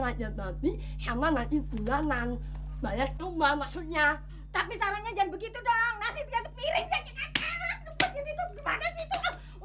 masalah panggilan penyiasatnya